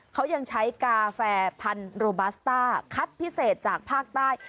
เขายังใช้กาแฟพันโรบัสต้าคัดพิเศษจากภาคใต้